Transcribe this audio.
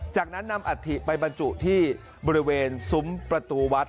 จากนั้นนำอัฐิไปบรรจุที่บริเวณซุ้มประตูวัด